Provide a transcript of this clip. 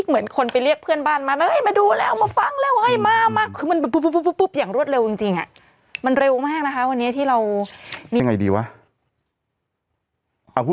มาดูแล้วมาฟังแล้วไอมามักคือมันปุ๊บอย่างรวดเร็วจริงจริงมันเร็วมากนะคะวันนี้อีก